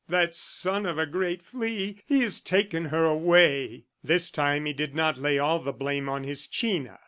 That son of a great flea ... has taken her away!" This time he did not lay all the blame on his China.